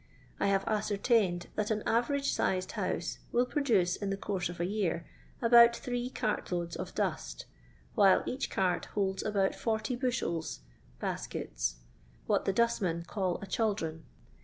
I have ascertained that an averagCHuaed house will pro duce, in the course of a year, about three cart loada of dusty while each cart holds about 40 bushels (baskets) — what the dustmen call a chaldron.